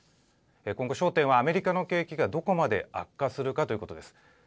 今後、焦点はアメリカの景気がどこまで悪化するかということです。